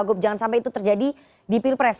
gob jangan sampai itu terjadi di pilpres